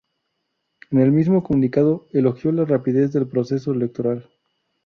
En el mismo comunicado elogió la rapidez del proceso electoral.